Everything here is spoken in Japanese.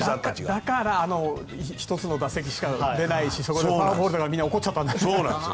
だから１つの打席しか出ないしそこでフォアボールだからみんな怒ったんだ。